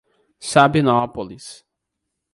Sabinópolis